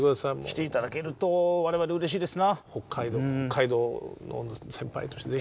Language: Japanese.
来ていただけると我々うれしいです。